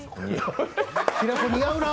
平子、似合うなあ。